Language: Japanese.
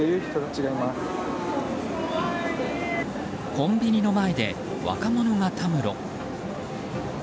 コンビニの前で若者がたむろ。